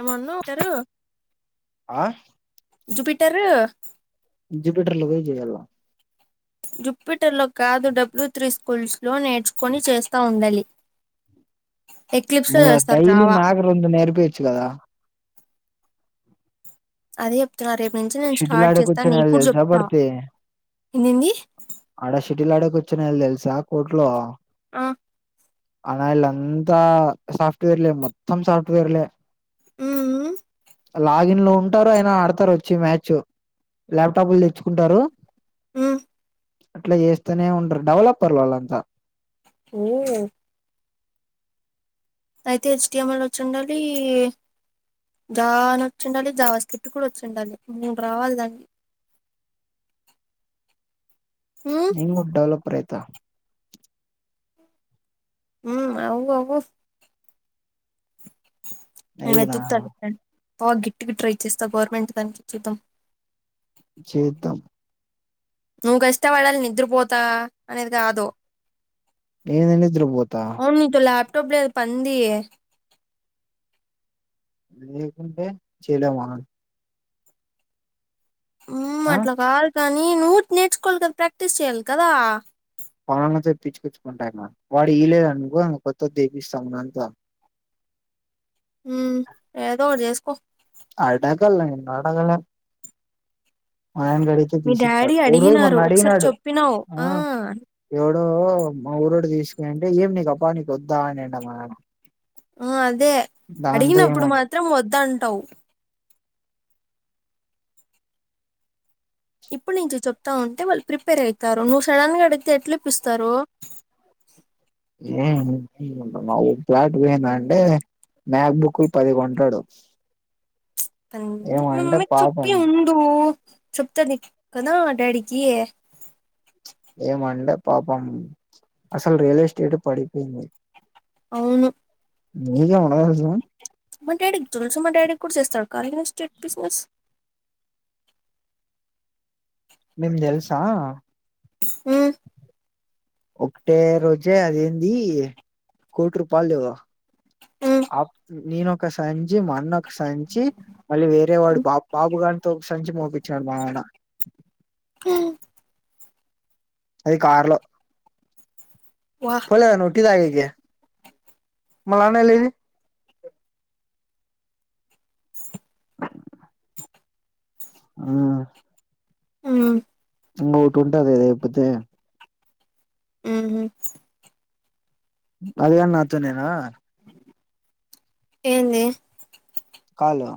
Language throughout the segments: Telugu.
ఏమన్నవు అంటరు ఆ జుపిటరు జుపీటర్లోకి పోయి జెయ్యల్ల జుప్పిటర్లో కాదు డబ్ల్యూ త్రీ స్కూల్స్ లో నేర్చుకొని చేస్తా ఉండాలి ఎక్లిప్స్ లో మర్ర చేస్తారు డైలీ జావా నాకు రెండు నెరిపియచ్చు కదా అదే చెప్తున్నా రేపు నుంచి నేను షటిల్ స్టార్ట్ ఆడే చేస్తాను. కూర్చునేయాలి నికూడా తెలుసా చెప్తా. భర్తి ఏందేందీ ఆడ షటిల్ ఆడకి వచ్చినల్ తెలుసా కోర్ట్లో ఆ ఆనాయిల్ల అంతా సాఫ్టవెర్లే ర్ మొత్తం సాఫ్టవేర్లే ఉమ్ లాజ్ దీనిలో ఉంటారు అయిన ఆడతారు. వచ్చి మ్యాచ్ ల్యాప్టాప్లు తెచ్చుకుంటారు. ఉ అట్ల చేస్తనే ఉండరు డెవలపర్ల వాళ్ళంతా ఊ అయితే హెచ్ టి ఎం ఎల్ వచ్చి ఉండాలి గా ఆ అని వచ్చిండాలి. జావా స్క్రిప్ట్ కూడా వచ్చిండాలి. నేను రావాలిగాని ఉమ్ నేనుకూడా డెవలపర్ అయిత ఉమ్ అవు అవు నేన్ అయిదునా వెతూకుత లే బాగ గిట్టుగా ట్రై చేస్తా గవర్నమెంట్ దానికి చూద్దాం. చేద్దం నువ్వు కష్టపడాలి నిద్రపోతా అనేది కాదు. నేనే నిద్ర బోత యూట్యూబ్ లేద్ పందీ లేకుంటే చేయలేమా ఉమ్ ఆ అట్లా కాదు కానీ నుట్ నేర్చుకోవాలి కదా ప్రాక్టీస్ చెయ్యాలి కదా పవనన్న తో తెప్పిచ్చుకుచ్చుకుంటాన్నా వాడు ఇయలేదనుకో కొత్తది దిపిస్తామ అంతా మ్ ఏదో ఒకట్ చేసుకో అసల్ నేను అడగలే మయన గడితే మీ తీసిస్తాడు డాడీ ఊరు అడిగినారు మొన్న ఒకసారి అడిగినాడు చెప్పినావు అ ఆ ఎవ ల్లో మా ఊరోడు తీసుకున్ అంటే ఏం నీకు అబా నీకు వద్దా అనిండి మా ఆయన ఆ అదే అడిగినప్పుడు మాత్రం వద్ద అంటవ్. ఇప్పుడు నుంచి చెప్తా ఉంటే వాళ్ళు ప్రిపేర్ అయితారు. నువ్వు సడన్గా అడిగితే ఎట్లు ఇప్పిస్తారు. ఏ నువ్వు ఇప్పిచ్చుకుంటున్నావ్ ప్లాట్ బి అనే అండే మ్యాక్బుక్కుల్ పది కొంటాడు పంది మ ఏమంటే మమ్మీ పాపం చప్పి ఉండు చెప్తాది నిక్ కదా డాడీకి ఏమండే పాపం అసలు రియల్ ఎస్టేట్ పడిపోయింది. అవును మీకేముండదు అసల్ మా డాడీకి చులుసు మా డాడీ కూడా చేస్తారు. కార్య ఎస్టేట్ బిజినెస్ మేమ్ దెల్సా ఉమ్మ్ ఒకటే రోజే అదేంది కోట్ రూపాయలు ఉమ్ అప్ నేనొకసంచి మోన్నొకసంచి మళ్ళీ వేరే వాడు బాబ బాబు గారితో ఒక సంచి మోపించాడు మా ఆయన యాహ్ అది కార్లో వా పోలేగా నువ్వు టీ తాగేకి. మలానలీ. ఉమ్. ఉమ్ ఇంగొటి ఉంటది లేపోతే ఉహు అదిగాన్ నాతోనేనా ఏంది కార్లో.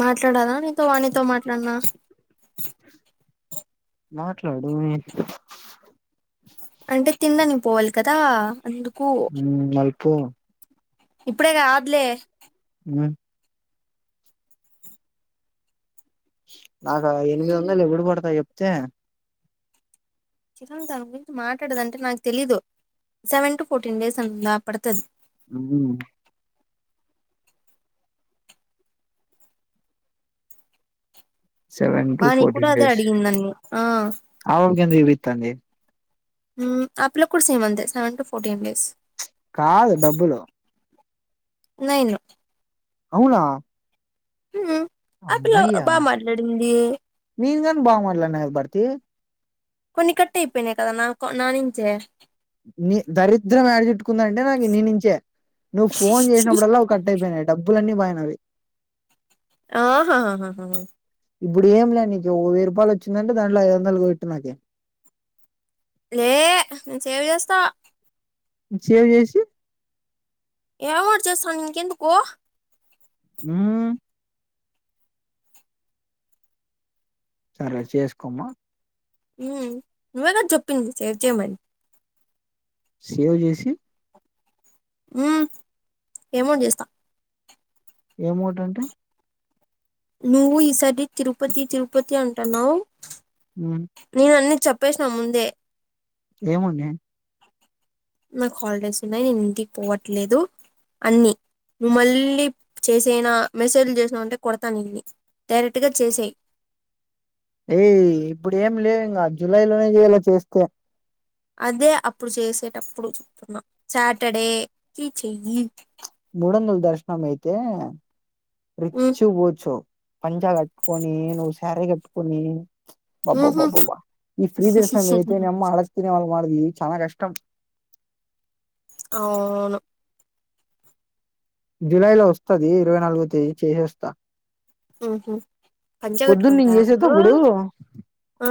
మాట్లాడలా నీతో వానితో మాట్లాడనా. మాట్లాడునీ. అంటే తిన్నడానికి పోవాలి కదా అందుకు. మళ్ళీ పో. ఇప్పుడే గాద్లే. ఉమ్. నాకా ఎనిమిది వందలు ఎప్పుడు పడుతయొ జేప్తే. చిచన్ తాన గురించి మాట్లాడదంటే నాకు తెలీదు సెవెన్ టు ఫోర్టీన్ డేస్ అంతా పడుతది. ఉమ్ ఉమ్. సెవెన్ టు వానికి కూడా ఫోర్టీన్ అదే డేస్ అడిగింది నన్ని ఆ అవొంకేంది ఇవితాంది. ఉమ్ అ పిల్లకి కుడా సేమ్ అంతే సెవెన్ టుూ ఫోర్టీన్ డేస్. కాదు డబ్బులు. నైను. అవునా. ఆ పిల్ల అమ్మయ్యా బాగా మాట్లాడింది మీకన్న బాగా మాట్లాడిన గదా బర్తీ. కొన్ని కట్టైపోయినయ్ కాదన్నా కొ నా నుంచి. నీ దరిద్రం యేడజుట్టుకుందంటే నాకు నీనుంచే. నువ్వు ఫోన్ చేసినప్పుడల్ల అవి కట్ అయిపోయినయ్ డబ్బులన్నీ పోయినావి. ఆహహ హహహ. ఇప్పుడు ఏం లే నీకు ఒక వెయ్యి రూపాయలు వచ్చిందంటే దాంట్లో ఐదొందలు గొట్టు నాకీ. లే ఏ నేను సేవ్ చేస్తా. సేవ్ జేసీ. ఎమో ఒకటి చేస్త నీకెందుకూ. ఉమ్. సరే చేసుకోమ్మా. ఉమ్ నువ్వే గద చెప్పింది సేవ్ చేయమని. సేవ్ జేసీ. ఉమ్ ఏమోటి జెస్తా. ఏమోటంటే. నువ్వు ఈసారి తిరుపతి తిరుపతి అంటున్నావ్ ప్చ్ మ్మ్ నేను అన్ని. చెప్పేసినవ్ ముందే. ఏముందే. నాకు హాలిడేస్ ఉన్నయ్ నేను ఇంటికి పోవట్లేదు అన్నీ. నువ్వు మళ్ళీ చేసేనా మెసేజ్లు చేసినావు అంటే కొడతాను నిన్ని. డైరెక్ట్గా చేసెయ్. ఏయ్ ఇప్పుడు ఏం లేవు ఇంగా జూలై లోనే చేయలే చేస్తే. అదే అప్పుడు చేసేటప్పుడు చెప్తున్న సాటర్డే కి చెయ్యి. మూడొందలు దర్శనం అయితే ఉమ్ రిచ్చ్ గా పోవచ్చు. పంచా గట్టుకొని నువ్వు శారీ గట్టుకొని. ఉహు బబ్బబ్బబ్బబ్బా ఈ ఫ్రీ ధర్శనం అయితేనే అమ్మ ఆడక్తినే వాళ్ మాదిరి. చానా కష్టం. ఆవును. జులై లో వస్తది ఇరవై నాలుగో తేదీ చేసేస్తా. మ్ హు పొద్దున్న నేను చేసేతప్పుడు ఆ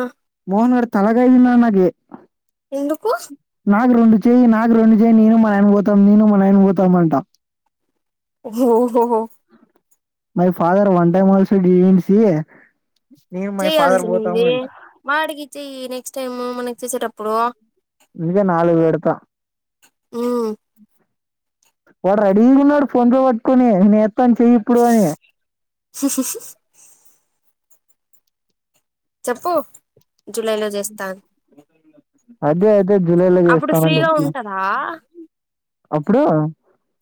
మోహన్ గాడు తలగైనా నాకే ఎందుకు నాకు రెండు చేయి నాకు రెండు చేయి నేను మా ఆయన పోతం నేను నాయన పోతం అంట. ఓహో హో హొ. My father one time also డివెన్సీ. చెయల్సింది వాడికిచ్చి నెక్స్ట్ టైమ్ మనక్ చేసేటప్పుడు వీడియో నాలుగు పెడ్త మ్ వాడ్ రెడీ ఉన్నడు ఫోన్ పే పట్కొని త్తం చెయ్యి ఇప్పుడు అగ్ చెప్పు జులైలో చేస్తా అన్ అదే అదే జులైలో చేస్తానని చెప్పిన ఉంటదా అప్పుడు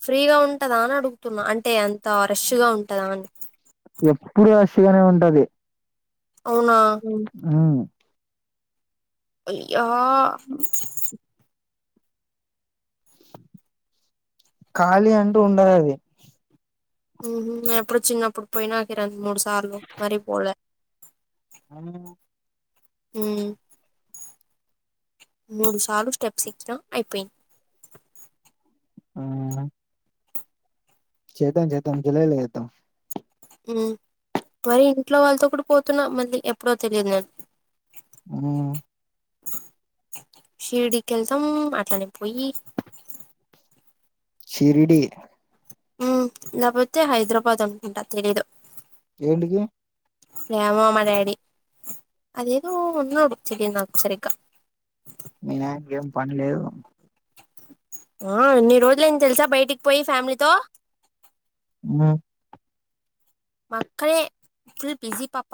ఫ్రీగ ఉంటదా అని అడుగుతున్న అంటే అంత రేష్ గ ఉంటదా అని ఎప్పుడు రష్ గానే ఉంటది అవునా మ్ అయ్యా ఖాళీ అంటు ఉండదది మ్ హు ఎప్పుడు చిన్నప్పుడు పోయిన రికి రెండు మూడు సార్లు మరి పోలే ఔన మ్ మూడు సార్లు స్టెప్స్ ఇచ్చిన అయిపోయిం ఆ చేద్దాం చేద్దాం జులై ల చే ద్దాం మ్ మరి ఇంట్లొ వాళ్ళతొ కూడ్ పోతున్న మళ్ళీ ఎప్పుడో తెలియదు నకి ఉమ్ షిర్డికి కేల్తమ్ అట్లనే పోయ్యి శిరిడి మ్ లేకపోతే హైద్రాబాద్ అనుకుంట తెలియ్దు ఏంటికి ఏమో మ డాడి అది ఏదొ ఉన్నోడిచ్చిండు నాక్ సరిగ మినాయ్నకి ఏం పని లేదు ఆ ఏన్ని రోజులైది తెలుసా బయటికి పోయి ఫ్యామిలీతో మ్ మా అక్కనె ఫుల్ బిజీపాప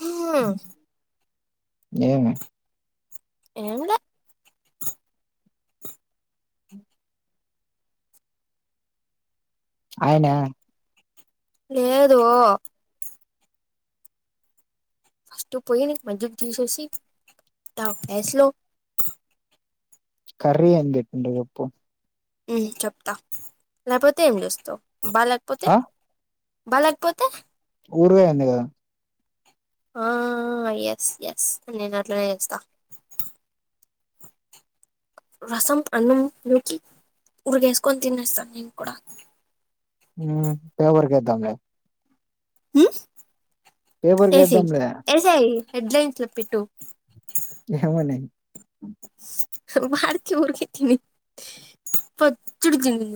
హ్మ్ ఏ మి ఏం లె ఆయ్న లేదు ఫస్ట్ పోయినిక్ మజ్జిగ తీసేసి టవ్ స్లొ కర్రీ ఏం చేపిండొ చెప్పు మ్ చెప్త లేకపొతే ఏం చేస్తవ్ బా లేకపొతే ఆ బలేకపొతే ఊరగై ఉంది కదా ఆ ఎస్ ఎస్ నేనట్లనే చేస్తా [inaudible] రసం అన్నం నూకి ఉరగయేసుకొని తినేస్త నేన్ కుడ మ్ పేవర్క్ కేద్దాం లె మ్ పేపర్ ఏసేయ్ కేద్దాంలే ఏసేయ్ హెడ్లైన్స్ల పెట్టు ఏమని మార్చ్ ఊరికితిమి పచ్చడి తిని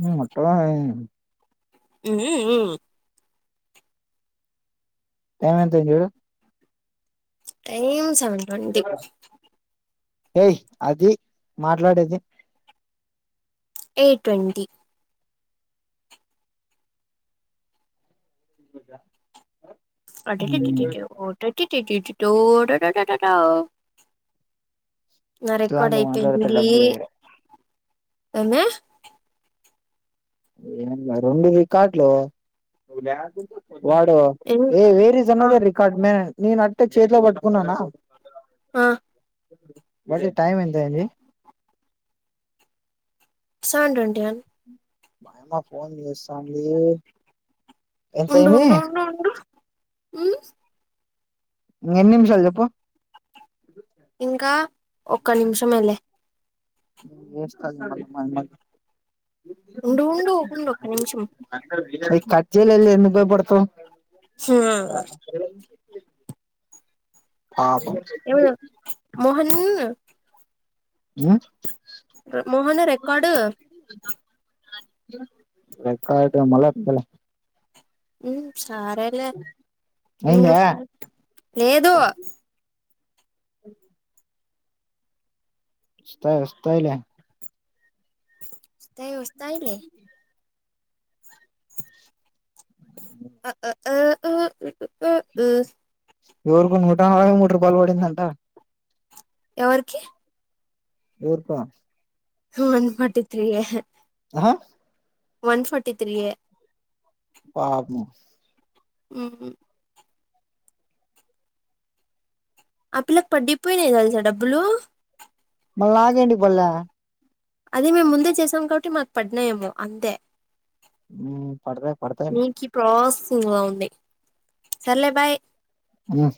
మ్ మట్టావావై మ్ మ్ టైమ్ ఎంత అయిందిజుడు. ట్రైన్ సౌండ్ బండి ఏయ్ అది మాట్లాడేది ఏయ్ట్వంటీ [inaudible] అటే టిటిటివ్ ఒటోటీ టిటిటిటో టోటోటోటో నా రికార్డ్ ఇలాంటివి మాట్లాడితే అయిపేయింది. డబ్బులు ఏం రెండు రికార్డులు వాడు ఏ వేరిజ్ అనదర్ రికార్డ్మే నేన్ అట్టే చేత్లో బట్టుకున్ననా ఆ బడ్డీ టైం ఎంత అయింది. సెవన్ ట్వంటీ యాన్ మాయమ్మ ఫోన్ జూస్తాంది. ఉండు ఉండు ఉండు ఉండు మ్ ఇంగెన్ని నిమిషల్ జెప్పు ఇంకా ఒక్క నిమిషమేలే ఏస్ కాల్ [inaudible] ఉండు ఉండు ఉండొక నిమిషం. అయి కట్ జేయలేదులే ఎందుక్ బయపడ్తవ్ హ్మ్. పాపం మ్మ్ ఉమ్ రే మోహన రికార్డ్ రికార్డ్ మళ్ళొతది లే మ్ సారేలే ఉండు అయిందా లేదు వొస్తయ్ వొస్తయిలే వొస్తయి వొస్తాయిలే ఆఆ ఆ ఉ ఉ ఉ ఉ ఎవర్కున ముఠా పోయి మూడ్ రూపాల్ పడిందంట. ఎవర్కి? ఎవర్కా వన్ ఫటి త్రీయే ఆ వన్ ఫర్టీ త్రీయే పాపము. ఉమ్ ఆ పిల్లక్ పడ్డిపోయినయి తెల్సా డబ్బులు మల్ నాకేంటి పల్లా అదే మేం ముందే చేసాం కాబట్టి మాక్ పడ్నాయేమో అంతే పడతాయి పడతాయిలే నీకి ప్రాస్ ఇంగ ఉంది. సర్లే బాయ్ అమా